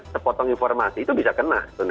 sepotong informasi itu bisa kena